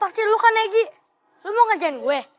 pasti lu kan egy lu mau ngajakin gue